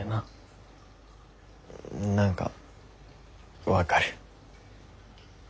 何か分かる。